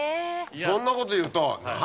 そんなこと言うと何？